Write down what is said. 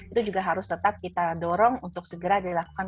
itu juga harus tetap kita dorong untuk segera dilakukan